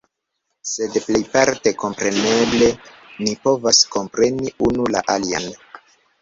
Sed plejparte kompreneble ni povas kompreni unu la alian.